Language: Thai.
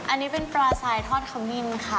อันนี้เป็นปลาสายทอดขมิ้นค่ะ